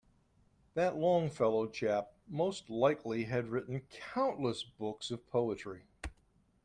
That Longfellow chap most likely had written countless books of poetry.